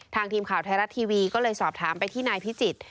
ทีมข่าวไทยรัฐทีวีก็เลยสอบถามไปที่นายพิจิตร